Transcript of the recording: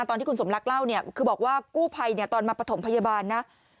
ตอนที่คุณสมรักเล่าเนี่ยคือบอกว่ากู้ภัยเนี่ยตอนมาประถมพยาบาลนะ